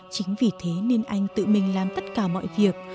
chính vì thế nên anh tự mình làm tất cả mọi việc